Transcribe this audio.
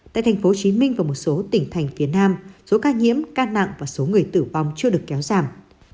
tại tp hcm và một số tỉnh thành phía nam số ca nhiễm ca nặng và số người tử vong chưa được kéo giảm